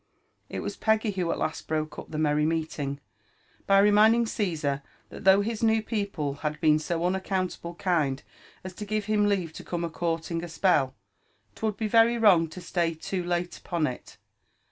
It was Peggy who at last broke up the merry meeting, by remind ing Cesar that though his new people had been so unaccountable kind as to give him leave to come a courting a spell, 'twould be very wrong to stay too late upon it.